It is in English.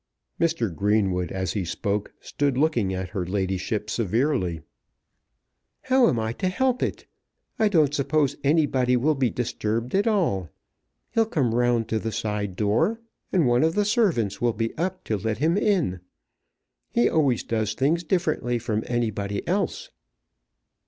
Mr. Greenwood, as he spoke, stood looking at her ladyship severely. "How am I to help it? I don't suppose anybody will be disturbed at all. He'll come round to the side door, and one of the servants will be up to let him in. He always does things differently from anybody else."